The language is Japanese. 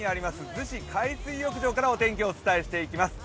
逗子海水浴場からお天気をお伝えしていきます。